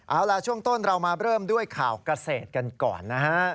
เอาล่ะช่วงต้นเรามาเริ่มด้วยข่าวเกษตรกันก่อนนะฮะ